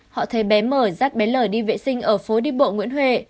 họ thấy bé m dắt bé l đi vệ sinh ở phố đi bộ nguyễn huệ